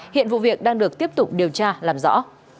hiện vụ việc đang được tiếp tục điều tra làm rõ